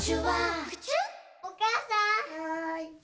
はい。